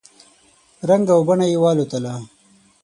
رنګ او بڼه یې والوتله !